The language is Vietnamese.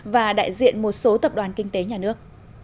và đại diện một số tập đoàn kinh tế nhà nước